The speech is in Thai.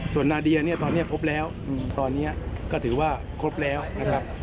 ส่วนนาเดียเนี่ยตอนนี้พบแล้วตอนนี้ก็ถือว่าครบแล้วนะครับ